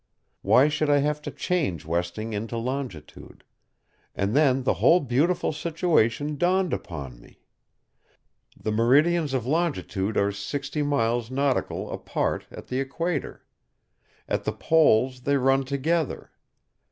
Why should I have to change westing into longitude? And then the whole beautiful situation dawned upon me. The meridians of longitude are 60 miles (nautical) apart at the equator. At the poles they run together.